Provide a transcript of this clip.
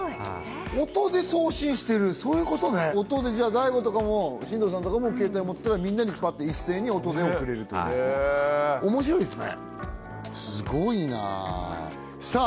音で送信してるそういうことね音でじゃあＤＡＩＧＯとかも進藤さんとかも携帯持ってたらみんなにパッて一斉に音で送れるということですねおもしろいですねすごいなあさあ